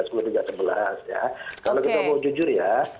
kalau kita mau jujur ya